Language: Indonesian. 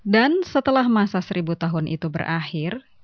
dan setelah masa seribu tahun itu berakhir